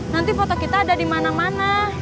nanti foto kita ada dimana mana